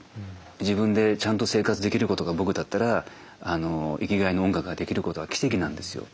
自分でちゃんと生活できることが僕だったら生きがいの音楽ができることが奇跡なんですよ。